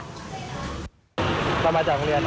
เรามากี่คน